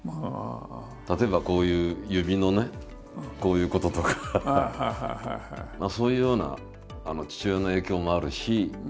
例えばこういう指のねこういうこととかそういうような父親の影響もあるし。